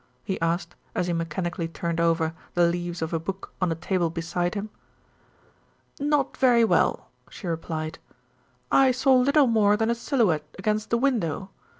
he asked as he mechanically turned over the leaves of a book on a table beside him. "Not very well," she replied. "I saw little more than a silhouette against the window.